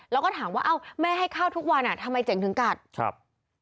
แล้วก็ถามว่าเอ้าแม่ให้ข้าวทุกวันอ่ะทำไมเจ๋งถึงกัดครับ